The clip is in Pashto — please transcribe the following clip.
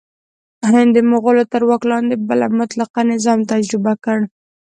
هند د مغولو تر واک لاندې بل مطلقه نظام تجربه کړ.